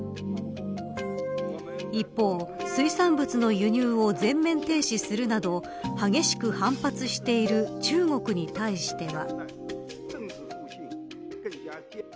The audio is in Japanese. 一方、水産物の輸入を全面停止するなど激しく反発している中国に対しては。